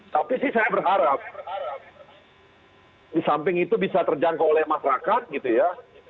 tapi sih saya berharap di samping itu bisa terjangkau oleh masyarakat gitu ya